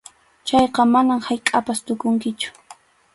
Chayqa manam haykʼappas tukunkichu.